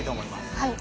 はい。